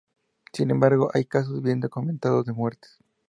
Sin embargo, hay casos bien documentados de muertes.